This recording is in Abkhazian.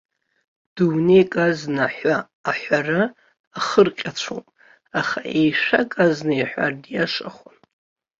Дунеик азна ҳәа аҳәара ахырҟьацәоуп, аха еишәак азна иҳәар диашахон.